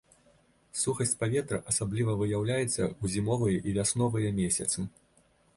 Сухасць паветра асабліва выяўляецца ў зімовыя і вясновыя месяцы.